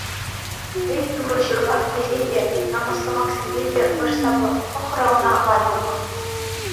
Эй, Турӑ, ҫырлах тесе те, намӑс сӑмахсемпе те вӑрҫса пӑхрӗ ӑна Ванюк.